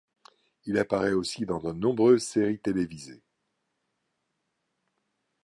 Il apparaît aussi dans de nombreuses séries télévisées.